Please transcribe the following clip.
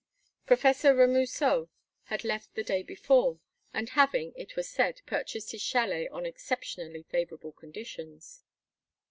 Professor Remusot had left the day before, after having, it was said, purchased his chalet on exceptionally favorable conditions.